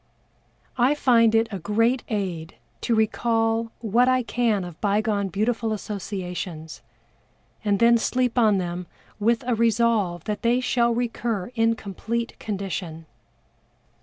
I find it a great aid to recall what I can of bygone beautiful associations, and then sleep on them with a resolve that they shall recur in complete condition.